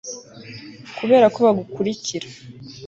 kuberako bagukurikira